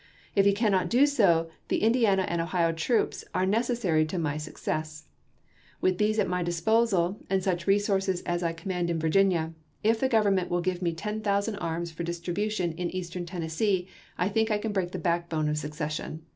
If he cannot do so, the Indiana and Ohio troops are necessary to my sue WEST VIRGINIA 339 cess. With these means at my disposal, and such resources as I command in Virginia, if the Govern ment will give me ten thousand arms for distribu tion in eastern Tennessee I think I can break the backbone of secession.